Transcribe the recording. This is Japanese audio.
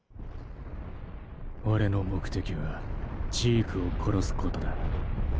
俺の目的はジークを殺すことだ。